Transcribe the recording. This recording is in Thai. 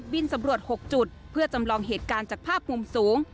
สำรวจ๖จุดเพื่อจำลองเหตุการณ์จากภาพมุมสูง